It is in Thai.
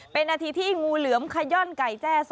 เป็นอาทิตย์ที่งูเหลือมไขย่อ้อนไก่แจ้